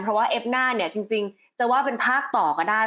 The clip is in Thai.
เพราะว่าเอฟน่าเนี่ยจริงจะว่าเป็นภาคต่อก็ได้